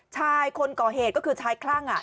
ชายคนก่อเหตุก็คือชายคลั่ง